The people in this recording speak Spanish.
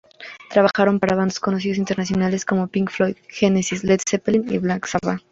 Trabajaron para bandas conocidas internacionalmente, como Pink Floyd, Genesis, Led Zeppelin y Black Sabbath.